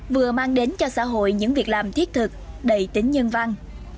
vừa mang đến cho xã hội những việc làm thiết thực đầy tính nhân văn